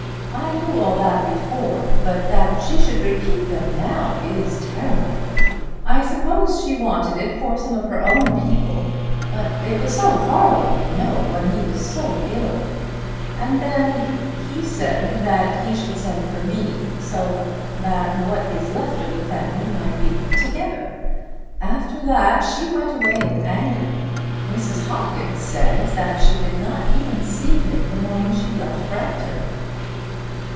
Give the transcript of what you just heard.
I knew all that before; but that she should repeat them now is terrible. I suppose she wanted it for some of her own people. But it was so horrible you know, when he was so ill! Then he said that he should send for me, so that what is left of the family might be together. After that she went away in anger. Mrs. Hopkins says that she did not even see him the morning she left Bragton."